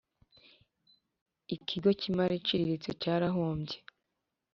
ikigo cy imari iciriritse cyarahombye